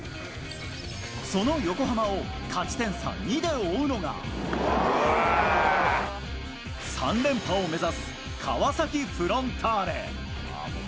その横浜を勝ち点差２で追うのが３連覇を目指す川崎フロンターレ。